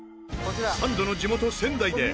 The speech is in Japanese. サンドの地元仙台でグルメ旅！